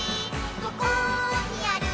どこにある？